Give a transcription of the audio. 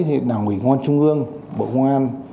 thì đảng ủy ngoan trung ương bộ ngoan